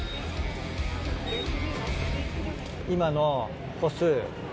今の歩数。